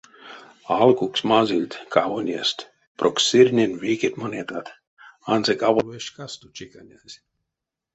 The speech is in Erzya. Алкукс мазыльть кавонест, прок сырнень вейкеть монетат, ансяк аволь ве шкасто чеканязь.